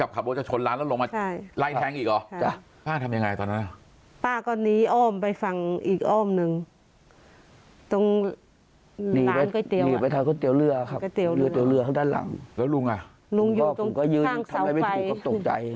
แล้วลุงลุงอยู่ตรงข้างเสาล์ลุงก็ยืนไฮคอนกเธอก็ตกใจ